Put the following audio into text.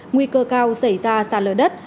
nguy cơ cao xảy ra xa lở đất